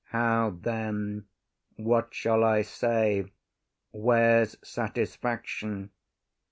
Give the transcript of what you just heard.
How then? What shall I say? Where’s satisfaction?